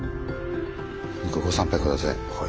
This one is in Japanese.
ご参拝下さい。